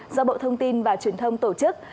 do bộ thông tin và truyền thông tổ chức